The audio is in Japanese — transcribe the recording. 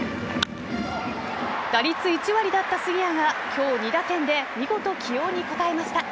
打率１割だった杉谷は今日、２打点で見事、起用に応えました。